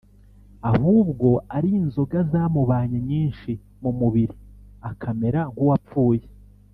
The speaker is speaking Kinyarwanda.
ahubwo ari inzoga zamubanye nyinshi mu mubiri akamera nk’uwapfuye